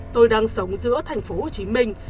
tôi đang sống giữa thành phố hồ chí minh